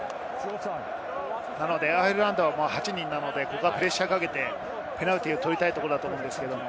なのでアイルランドは８人なのでプレッシャーをかけてペナルティーを取りたいところだと思うんですけれど。